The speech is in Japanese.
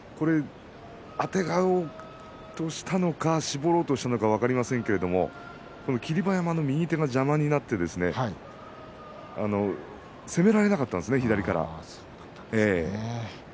あてがおうとしたのか絞ろうとしたのか分からないですけれども霧馬山の右手が邪魔になって攻められなかったんですね左から。